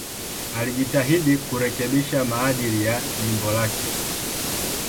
Alijitahidi kurekebisha maadili ya jimbo lake.